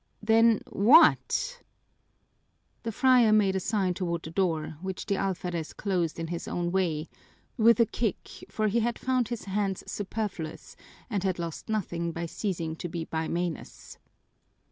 "Then, what?" The friar made a sign toward the door, which the alferez closed in his own way with a kick, for he had found his hands superfluous and had lost nothing by ceasing to be bimanous.